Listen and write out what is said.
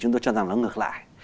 chúng tôi cho rằng nó ngược lại